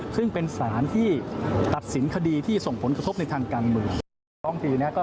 ซึ่งเป็นสารที่ตัดสินคดีที่ส่งผลกระทบในทางการเมือง